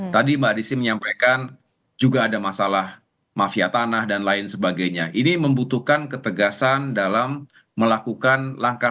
tadi mbak desi menyampaikan juga ada masalah mafia tanah dan lain sebagainya ini membutuhkan ketegasan dalam melakukan langkah